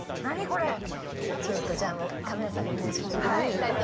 ちょっとじゃあ、カメラさんにお見せしましょうか。